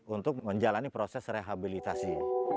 untuk menjalani proses rehabilitasi